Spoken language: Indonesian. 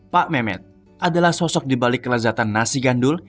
pak mehmet adalah sosok di balik kelezatan nasi gandul